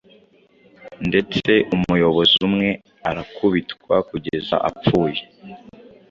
ndetse umuyobozi umwe arakubitwa kugeza apfuye.